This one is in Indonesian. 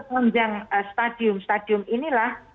kepanjang stadium stadium inilah